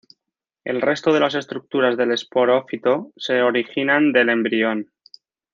El resto de las estructuras del esporófito se originan del embrión.